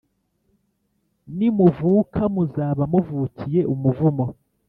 Nimuvuka, muzaba muvukiye umuvumo,